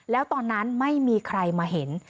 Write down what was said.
แล้วตอนนั้นไม่มีใครมาเห็น